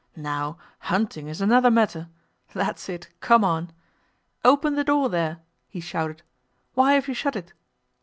Now, hunting is another matter—that's it, come on! Open the door, there!" he shouted. "Why have you shut it?"